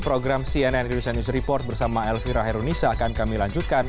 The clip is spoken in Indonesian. program cnn indonesia news report bersama elvira herunisa akan kami lanjutkan